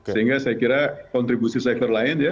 sehingga saya kira kontribusi sektor lain ya